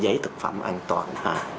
giấy thực phẩm an toàn